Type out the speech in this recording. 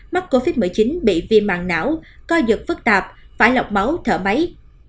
mắc covid một mươi chín bị viên mạng não coi dựt phức tạp phải lọc máu thở máy